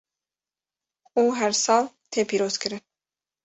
û her sal tê pîrozkirin.